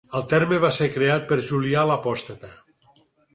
El terme va ser creat per Julià l'Apòstata.